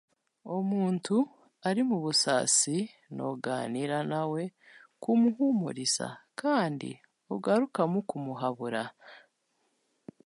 Omuntu ari mu busaasi, noogaaniira nawe, kumuhuumuriza, kandi ogarukamu kumuhabura.